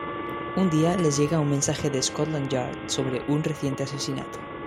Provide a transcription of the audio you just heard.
Un día les llega un mensaje de Scotland Yard sobre un reciente asesinato.